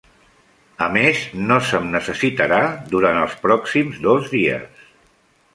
A més, no se'm necessitarà durant els pròxims dos dies.